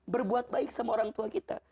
berbuat baik sama orang tua kita